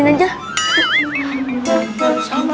bang berubah bang